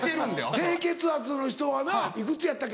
低血圧の人はないくつやったっけ？